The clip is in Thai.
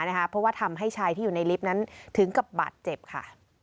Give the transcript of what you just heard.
เพราะว่าทำให้ชายที่อยู่ในลิฟต์นั้นถึงกับบาดเจ็บค่ะ